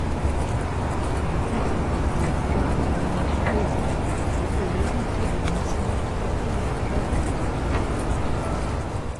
Le titre patriarcal remonte au et est l'héritier de l'ancien Patriarcat de Grado.